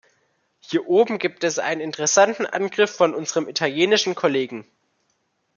Hier oben gibt es einen interessanten Angriff von unserem italienischen Kollegen.